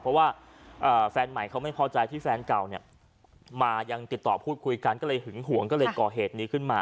เพราะว่าแฟนใหม่เขาไม่พอใจที่แฟนเก่าเนี่ยมายังติดต่อพูดคุยกันก็เลยหึงหวงก็เลยก่อเหตุนี้ขึ้นมา